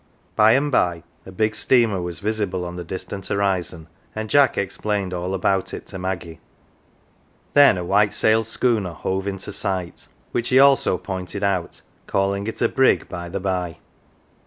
By and by a bi; steamer was visible on the distant horizon, and Jack O * explained all about it to Maggie ; then a white sailed schooner hove in sight, which he also pointed out calling it a brig by the by.